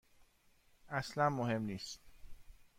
اصلا مهم نیست.